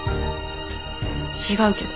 違う！